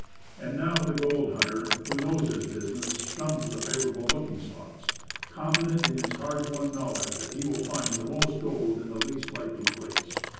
And now the gold hunter who knows his business shuns the "favourable looking" spots, confident in his hard won knowledge that he will find the most gold in the least likely place.